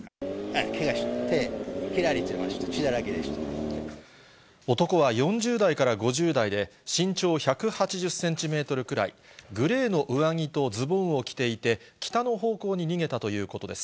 けがして、手切られてました、男は４０代から５０代で、身長１８０センチメートルくらい、グレーの上着とズボンを着ていて、北の方向に逃げたということです。